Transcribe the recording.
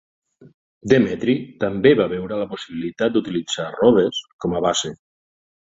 Demetri també va veure la possibilitat d'utilitzar Rodes com a base.